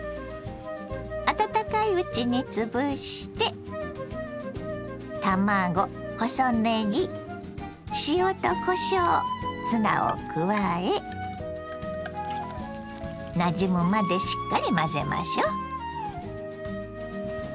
温かいうちにつぶして卵細ねぎ塩とこしょうツナを加えなじむまでしっかり混ぜましょう。